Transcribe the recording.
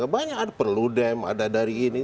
banyak ada perludem ada dari ini